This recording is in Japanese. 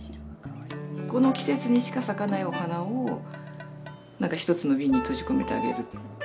この季節にしか咲かないお花を何か一つのビンに閉じ込めてあげる。